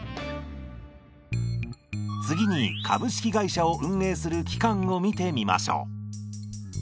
次に株式会社を運営する機関を見てみましょう。